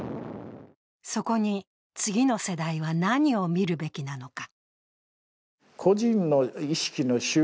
そこに次の世代は何を見るべきなのか。